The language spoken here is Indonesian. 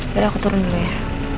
aku turun dulu ya